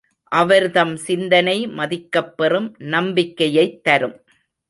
அவர்தம் சிந்தனை மதிக்கப்பெறும் நம்பிக்கையைத் தரும்.